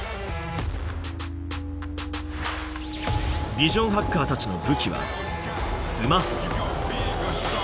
ビジョンハッカーたちの武器は「スマホ」。